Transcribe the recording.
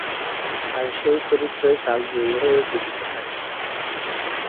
আর সেই চরিত্রই কালজয়ী হয়ে জীবিত থাকে।